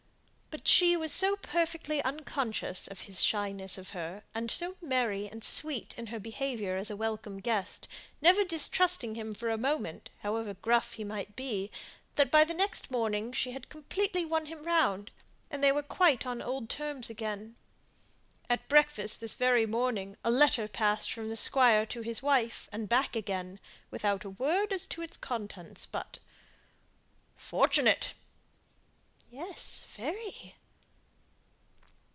But she was so perfectly unconscious of his shyness of her, and so merry and sweet in her behaviour as a welcome guest, never distrusting him for a moment, however gruff he might be, that by the next morning she had completely won him round, and they were quite on the old terms again. At breakfast this very morning, a letter was passed from the Squire to his wife, and back again, without a word as to its contents; but "Fortunate!" "Yes! very!"